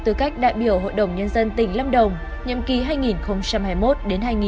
tư cách đại biểu hội đồng nhân dân tỉnh lâm đồng